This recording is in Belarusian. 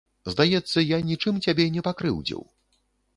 Здаецца, я нічым цябе не пакрыўдзіў.